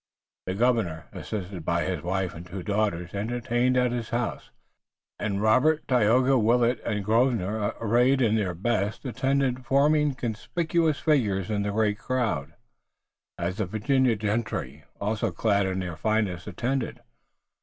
The governor, assisted by his wife and two daughters, entertained at his house, and Robert, Tayoga, Willet, and Grosvenor, arrayed in their best, attended, forming conspicuous figures in a great crowd, as the Virginia gentry, also clad in their finest, attended.